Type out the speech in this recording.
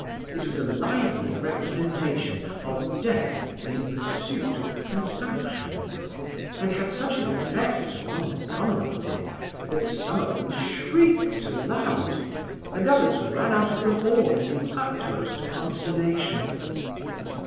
It was a lively representation of Death in pursuit of Consumption, and had such an effect upon the commonalty, that some of them shrieked aloud, and others ran out of the hall in the utmost consternation.